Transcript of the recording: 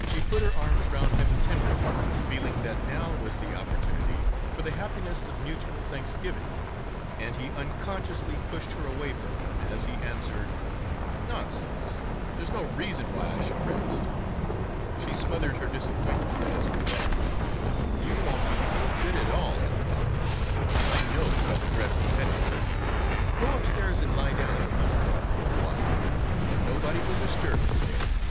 She put her arms round him tenderly, feeling that now was the opportunity for the happiness of mutual thanksgiving; and he unconsciously pushed her away from him as he answered, "Nonsense! There's no reason why I should rest." She smothered her disappointment at his rebuff. "You won't be any good at all at the office; I know you have a dreadful headache. Go upstairs and lie down in the blue room for a while, and nobody will disturb you there."